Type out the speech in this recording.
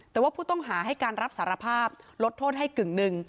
แต่ว่าผู้ต้องหาให้การรับสารภาพลดโทษให้กึ่งหนึ่ง